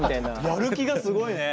やる気がすごいね。